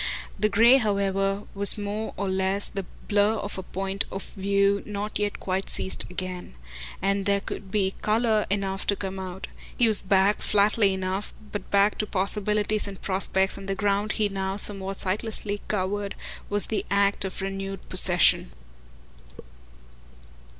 The grey, however, was more or less the blur of a point of view not yet quite seized again; and there would be colour enough to come out. He was back, flatly enough, but back to possibilities and prospects, and the ground he now somewhat sightlessly covered was the act of renewed possession.